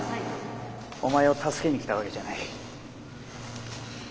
お前を助けに来たわけじゃない。